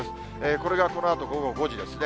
これがこのあと午後５時ですね。